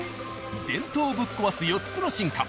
伝統をぶっ壊す４つの進化。